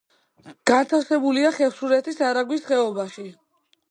განთავსებულია ხევსურეთის არაგვის ხეობაში.